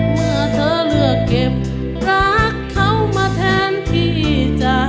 เมื่อเธอเลือกเก็บรักเขามาแทนที่จะ